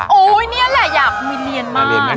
โอ้ยเนี่ยแหละอยากไปเรียนมาก